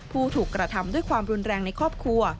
ผู้ถูกกระทำด้วยความรุนแรงในครอบครัว